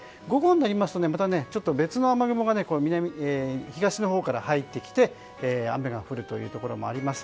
そして午後になりますとまた別の雨雲が東のほうから入ってきて雨が降るところもあります。